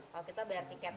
kalau kita bayar tiket